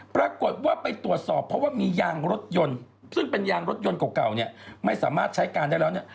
ปรากฏว่าไปตรวจสอบเพราะว่ามียางรถยนต์ซึ่งเป็นยางรถยนต์เก่าเนี่ยไม่สามารถใช้การได้แล้วเนี่ย